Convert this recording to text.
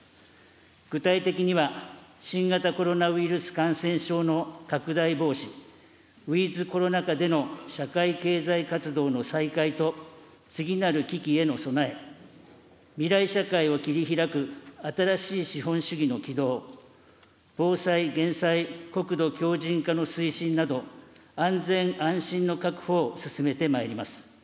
具体的には、新型コロナウイルス感染症の拡大防止、ウィズコロナ下での社会経済活動の再開と次なる危機への備え、未来社会を切りひらく新しい資本主義の起動、防災・減災、国土強じん化の推進など、安全・安心の確保を進めてまいります。